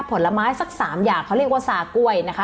ผลไม้สักสามอย่างเขาเรียกว่าซากล้วยนะคะ